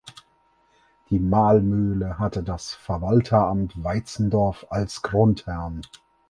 Die Mahlmühle hatte das Verwalteramt Waizendorf als Grundherrn.